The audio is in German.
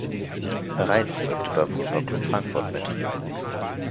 Reitz wirkte beim Fußballclub Frankfurt mit.